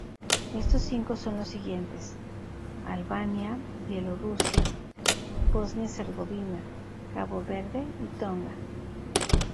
Estos cinco son los siguientes: Albania, Bielorrusia, Bosnia-Herzegovina, Cabo Verde y Tonga.